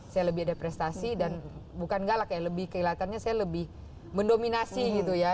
saya lebih ada prestasi dan bukan galak ya lebih kelihatannya saya lebih mendominasi gitu ya